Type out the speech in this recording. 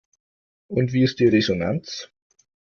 Und wie ist die Resonanz?